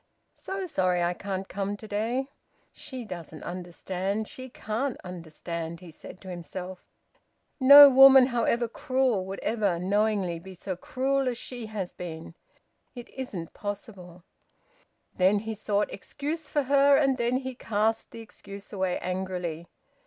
... `So sorry I can't come to day!' "She doesn't understand. She can't understand!" he said to himself. "No woman, however cruel, would ever knowingly be so cruel as she has been. It isn't possible!" Then he sought excuse for her, and then he cast the excuse away angrily.